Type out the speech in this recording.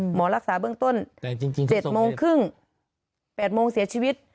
หมอรักษาเบื้องต้น๗โมงครึ่ง๘โมงเสียชีวิต